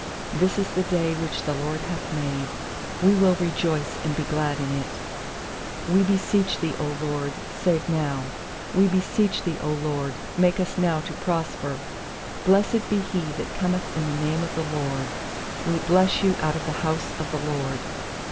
24This is the day which the LORD hath made; We will rejoice and be glad in it. 25We beseech Thee, 0 LORD, save now! We beseech Thee, 0 LORD, make us now to prosper! 26Blessed be he that cometh in the name of the LORD; We bless you out of the house of the LORD.